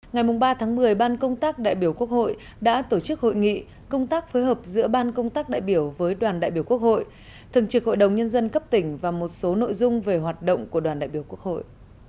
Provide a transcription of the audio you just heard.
ngày ba một mươi ban công tác đại biểu quốc hội đã tổ chức hội nghị công tác phối hợp giữa ban công tác đại biểu với đoàn đại biểu quốc hội thường trực hội đồng nhân dân cấp tỉnh và một số nội dung về hoạt động của đoàn đại biểu quốc hội